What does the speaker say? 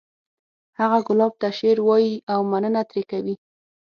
هغه ګلاب ته شعر وایی او مننه ترې کوي